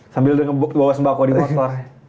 sambil bawa sembako di motor